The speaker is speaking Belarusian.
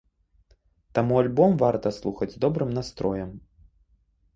Таму альбом варта слухаць з добрым настроем.